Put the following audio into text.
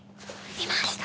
いました。